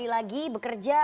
kembali lagi bekerja